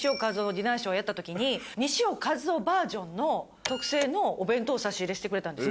ディナーショーをやった時に西尾一男バージョンの特製のお弁当を差し入れしてくれたんです